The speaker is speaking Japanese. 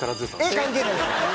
絵関係ないです。